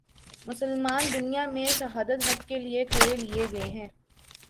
مسلمان دنیا میں شہادت حق کے لیے کھڑے کیے گئے ہیں۔